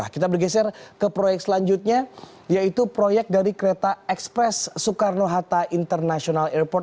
kita bergeser ke proyek selanjutnya yaitu proyek dari kereta ekspres soekarno hatta international airport